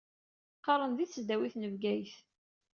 Qqaṛen di tesdawit n Bgayet.